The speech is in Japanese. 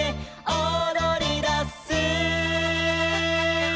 「おどりだす」